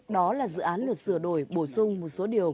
đó là dự án luật sửa đổi bổ sung một số điều